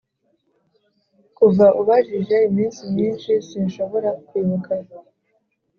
kuva ubajije, iminsi myinshi sinshobora kwibuka.